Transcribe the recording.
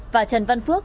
và trần văn phước